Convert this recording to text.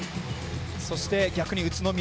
そして、逆に宇都宮。